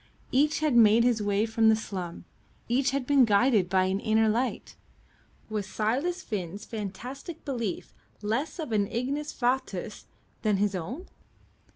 Each had made his way from the slum, each had been guided by an inner light was Silas Finn's fantastic belief less of an ignis fatuus than his own?